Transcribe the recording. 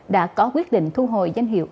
đã có quyết định thu hồi danh hiệu